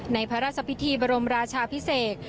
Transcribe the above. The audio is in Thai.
ในพระราชพิธีบรมราชาพิเศษ